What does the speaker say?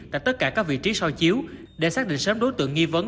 tại tất cả các vị trí so chiếu để xác định sớm đối tượng nghi vấn